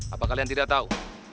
apa kalian tidak tahu